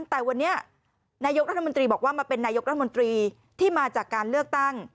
แต่วันนี้นายกรัฐมนตรีบอกว่ามาเป็นนายกรัฐมนตรีที่มาจากการเลือกตั้ง